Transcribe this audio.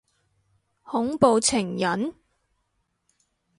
恐怖情人？